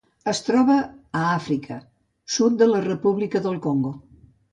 Es troba a Àfrica: sud de la República del Congo.